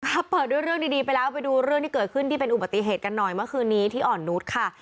เปิดด้วยเรื่องดีไปแล้วไปดูเรื่องที่เกิดขึ้นที่เป็นอุบัติเหตุกันหน่อยเมื่อคืนนี้ที่อ่อนนุษย์ค่ะ